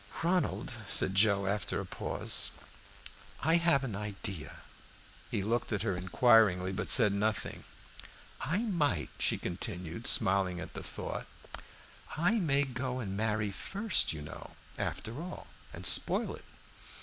"Ronald," said Joe, after a pause, "I have an idea." He looked at her inquiringly, but said nothing. "I might," she continued, smiling at the thought "I may go and marry first, you know, after all, and spoil it."